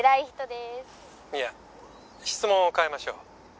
「いや質問を変えましょう」